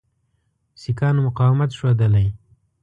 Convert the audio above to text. سیکهانو مقاومت ښودلی.